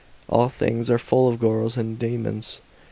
" Alj things are full of gorls and daemons."